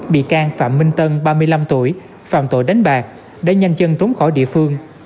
bị can phạm minh tân ba mươi năm tuổi phạm tội đánh bạc đã nhanh chân trốn khỏi địa phương